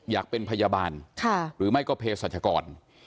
อยากเป็นพยาบาลหรือไม่ก็เพศรัชกร